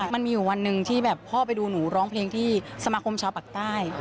มันมีอยู่วันหนึ่งที่แบบพ่อไปดูหนูร้องเพลงที่สมาคมชาวปากใต้